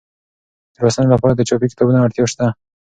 د لوستنې لپاره د چاپي کتابونو اړتیا شته.